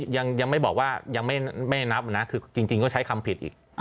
ยังไม่บอกว่ายังไม่นับนะคือจริงก็ใช้คำผิดอีก